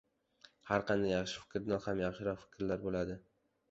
• Har qanday yaxshi fikrdan ham yaxshiroq fikrlar bo‘ladi.